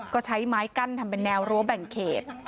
ก็ใช้ไม้กั้นทำเป็นแนวรั้วแบ่งเขต